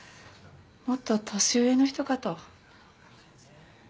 もっと年上の人かと。